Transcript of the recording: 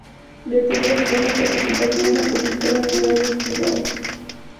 Ltd., una empresa estatal china ubicada en la ciudad de Qingdao.